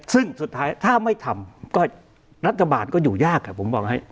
ซึ่งสุดท้ายถ้าไม่ทำก็รัฐบาลอยู่ยากผมบอกอย่างนี้